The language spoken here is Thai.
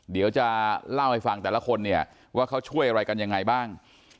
เดี๋ยวจะเล่าให้ฟังแต่ละคนเนี่ยว่าเขาช่วยอะไรกันยังไงบ้าง